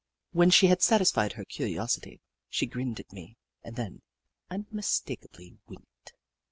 When she had satisfied her curiosity, she grinned at me and then, unmistakably, winked.